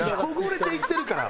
汚れていってるから。